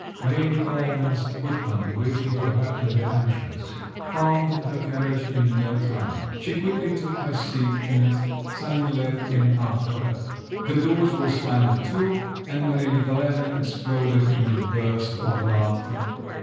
Maria Nikolaevna's footman, waiting for her in the entrance, found her carriage in no time. She quickly took her seat in it; Sanin leapt in after her. The doors were slammed to, and Maria Nikolaevna exploded in a burst of laughter.